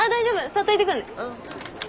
サッと行ってくる。